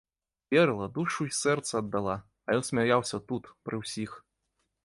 Верыла, душу і сэрца аддала, а ён смяяўся тут, пры ўсіх.